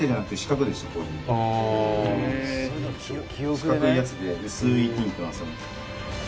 四角いやつで薄いピンクなんですよね。